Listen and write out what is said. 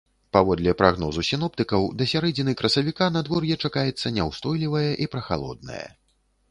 Паводле прагнозу сіноптыкаў, да сярэдзіны красавіка надвор'е чакаецца няўстойлівае і прахалоднае.